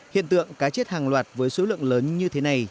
hiện tượng cá chết hàng loạt với số lượng lớn như thế này